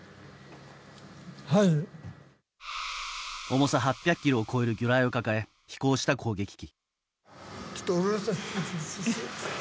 重さ８００ｋｇを超える魚雷を抱え飛行した攻撃機。